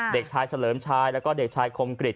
เด็กชายเฉลิมชายแล้วก็เด็กชายคมกริจ